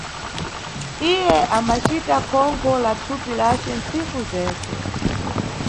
Iye abacita khonkho la thupi lace ntsiku zentse.